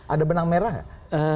ada benang merah nggak